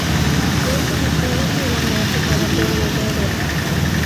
Wilson had previously won North Dakota four years earlier.